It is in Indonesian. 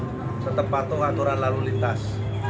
tetap patuh aturan lalu lintas